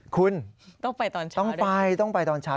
คุณต้องไปตอนเช้าต้องไปต้องไปตอนเช้า